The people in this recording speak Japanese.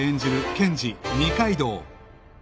検事二階堂